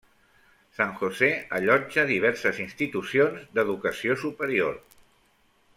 San José allotja diverses institucions d'educació superior.